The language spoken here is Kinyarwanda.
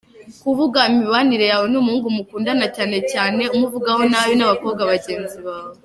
Kuvuga imibanire yawe n’umuhungu mukundana cyane cyane umuvugaho n’abandi bakobwa bagenzi bawe.